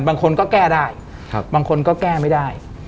บางคนก็แก้ได้บางคนก็แก้ไม่ได้